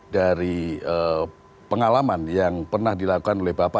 dari pengalaman yang pernah dilakukan oleh bapak